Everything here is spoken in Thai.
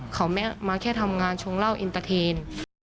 เขามาแค่ทำงานชงเหล้าอินเตอร์เทน